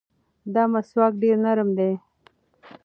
دا مسواک ډېر نرم دی.